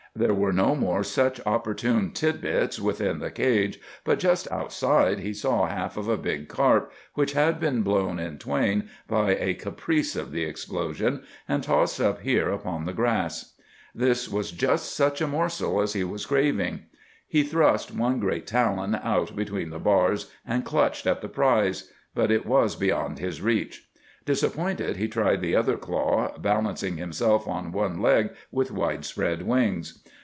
There were no more such opportune tit bits within the cage, but just outside he saw the half of a big carp, which had been torn in twain by a caprice of the explosion and tossed up here upon the grass. This was just such a morsel as he was craving. He thrust one great talon out between the bars and clutched at the prize. But it was beyond his reach. Disappointed, he tried the other claw, balancing himself on one leg with widespread wings.